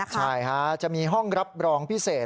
ใช่จะมีห้องรับรองพิเศษ